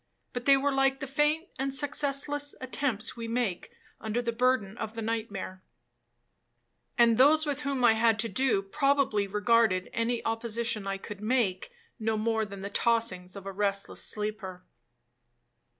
but they were like the faint and successless attempts we make under the burden of the night mare; and those with whom I had to do, probably regarded any opposition I could make no more than the tossings of a restless sleeper.